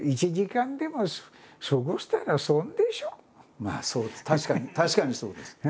まあそう確かに確かにそうです。